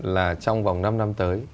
là trong vòng năm năm tới